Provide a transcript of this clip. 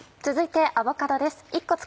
続いてアボカドです。